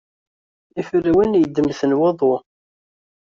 Iferrawen yeddem-ten waḍu.